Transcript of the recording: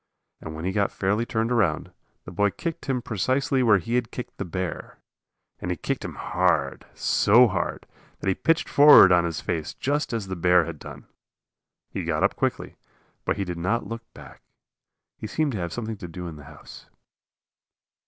And when he got fairly turned around, the boy kicked him precisely where he had kicked the bear. And he kicked him hard, so hard that he pitched forward on his face just as the bear had done. He got up quickly, but he did not look back. He seemed to have something to do in the house.